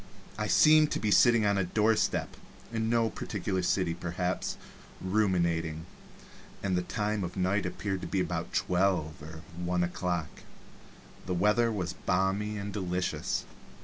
I seemed to be sitting on a doorstep (in no particular city perhaps) ruminating, and the time of night appeared to be about twelve or one o'clock. The weather was balmy and delicious.